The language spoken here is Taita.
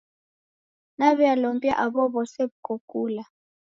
Daw'ilombia aw'o w'ose w'iko kula.